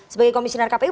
sebagai komisioner kpu